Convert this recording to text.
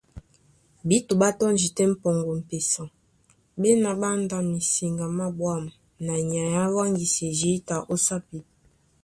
Bíto ɓá tɔ́ndi tɛ́ pɔŋgɔ m̀pesa, ɓá ená ɓá andá misiŋga má ɓwǎm̀ na nyay a wáŋgisi jǐta ó sápi.